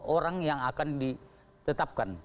orang yang akan ditetapkan